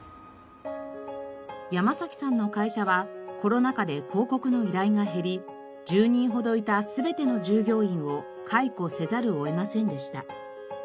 山さんの会社はコロナ禍で広告の依頼が減り１０人ほどいた全ての従業員を解雇せざるを得ませんでした。